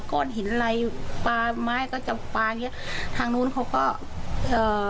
ก้อนหินอะไรปลาไม้ก็จะปลาอย่างเงี้ยทางนู้นเขาก็เอ่อ